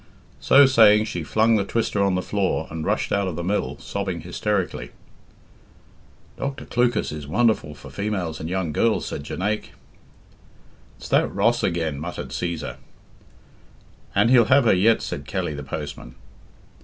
So saying, she flung the twister on the floor and rushed out of the mill, sobbing hysterically. "Dr. Clucas is wonderful for females and young girls," said Jonaique. "It's that Ross again," muttered Cæsar. "And he'll have her yet," said Kelly, the postman.